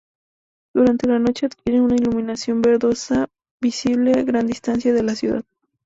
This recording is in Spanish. Durante la noche adquiere una iluminación verdosa visible a gran distancia de la ciudad.